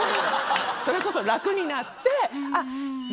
それこそ楽になって。